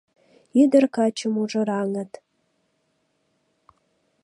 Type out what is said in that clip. Ӱдыр-каче мужыраҥыт